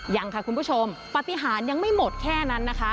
ยังค่ะคุณผู้ชมปฏิหารยังไม่หมดแค่นั้นนะคะ